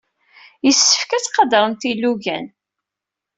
Yessefk ad tqadremt ilugan.